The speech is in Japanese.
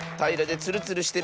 ツルツルしてる。